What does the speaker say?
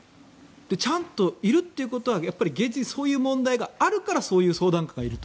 ちゃんといるということは現実にそういう問題があるからそういう相談官がいると。